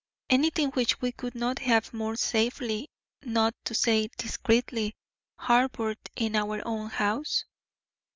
Anything which we could not have more safely, not to say discreetly, harboured in our own house?"